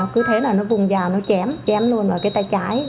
cứ thế là nó vùng vào nó chém chém luôn vào cái tay trái